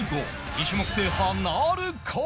２種目制覇なるか？